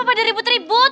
apa ada ribut ribut